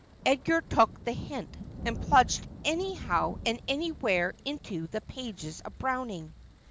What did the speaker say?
Edgar took the hint, and plunged anyhow and anywhere into the pages of Browning.